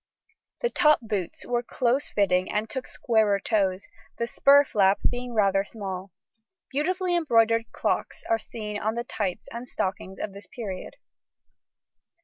The top boots were close fitting and took squarer toes; the spur flap being rather small. Beautifully embroidered clocks are seen on the tights and stockings of this period.